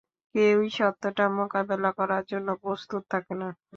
কেউই সত্যটা মোকাবেলা করার জন্য প্রস্তুত থাকে না।